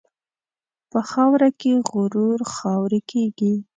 په خاوره کې غرور خاورې کېږي.